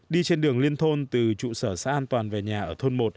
đi trên đường liên thôn từ trụ sở xã an toàn về nhà ở thôn một